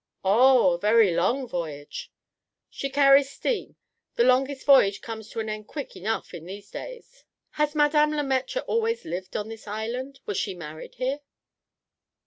"Oh! a very long voyage." "She carries steam; the longest voyage comes to an end quick enough in these days." "Has Madame Le Maître always lived on this island? Was she married here?"